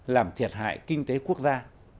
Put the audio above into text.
làm thiệt hại kinh tế quốc gia